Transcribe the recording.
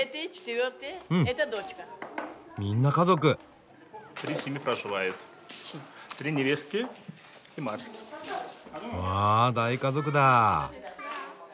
わあ大家族だ。